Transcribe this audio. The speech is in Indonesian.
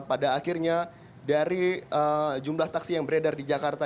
pada akhirnya dari jumlah taksi yang beredar di jakarta